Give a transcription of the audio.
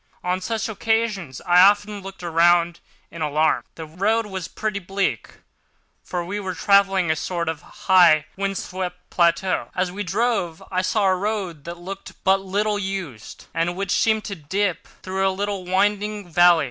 On such occasions I often looked round in alarm. The road was pretty bleak, for we were traversing a sort of high, wind swept plateau. As we drove, I saw a road that looked but little used, and which seemed to dip through a little, winding valley.